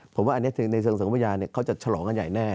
ผมว่าอันนี้ในเชิงสังพยานเขาจะฉลองกันใหญ่แน่